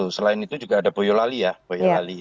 selain itu juga ada boyolali ya boyolali